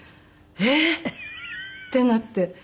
「えっ？」ってなって。